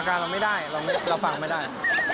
การเราไม่ได้เราฟังไม่ได้